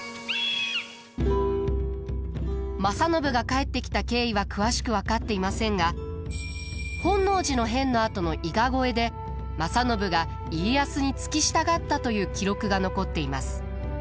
正信が帰ってきた経緯は詳しく分かっていませんが本能寺の変のあとの伊賀越えで正信が家康に付き従ったという記録が残っています。